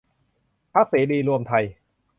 พรรคเสรีรวมไทย